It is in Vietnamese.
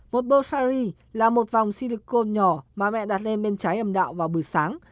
một bơ sari là một vòng silicone nhỏ mà mẹ đặt lên bên trái âm đạo vào buổi sáng